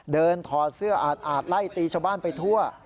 ถอดเสื้ออาดไล่ตีชาวบ้านไปทั่ว